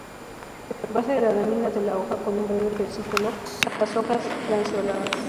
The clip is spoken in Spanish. Base de la lámina de la hoja con un breve peciolo; las hojas lanceoladas.